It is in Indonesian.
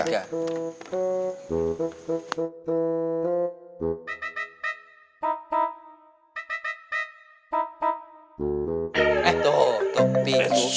eh toh tuh pi itu